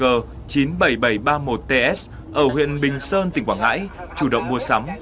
hành nghề lưới chín mươi bảy nghìn bảy trăm ba mươi một ts ở huyện bình sơn tỉnh quảng ngãi chủ động mua sắm